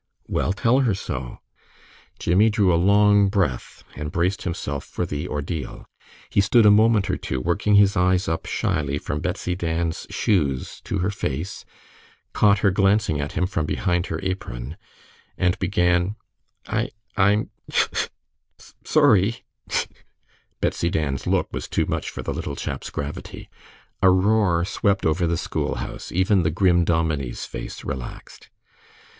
"Well, tell her so." Jimmie drew a long breath and braced himself for the ordeal. He stood a moment or two, working his eyes up shyly from Betsy Dan's shoes to her face, caught her glancing at him from behind her apron, and began, "I I I'm (tchik! tchik) sor ry," (tchik). Betsy Dan's look was too much for the little chap's gravity. A roar swept over the school house. Even the grim dominie's face relaxed.